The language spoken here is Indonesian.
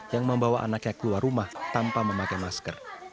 yang membawa anaknya keluar rumah tanpa memakai masker